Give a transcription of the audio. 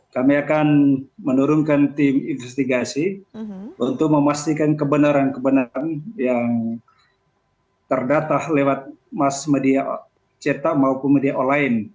kami akan menurunkan tim investigasi untuk memastikan kebenaran kebenaran yang terdata lewat mas media cetak maupun media online